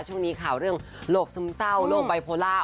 ช่วงนี้ข่าวเรื่องโรคซึมเศร้าโรคไบโพล่า